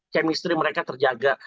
kemistri mereka terjaga